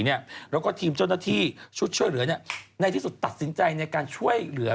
แล้วก็ทีมเจ้าหน้าที่ชุดช่วยเหลือในที่สุดตัดสินใจในการช่วยเหลือ